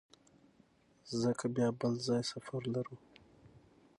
ځکه بیا بل ځای سفر لرو.